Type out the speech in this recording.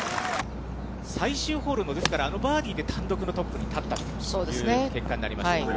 最終ホールの、ですから、あのバーディーで単独のトップに立ったという結果になりました。